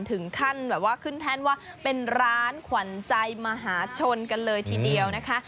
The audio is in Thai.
ถึงขั้นแบบว่าขึ้นแท่นว่าเป็นร้านขวัญใจมหาชนกันเลยทีเดียวนะคะ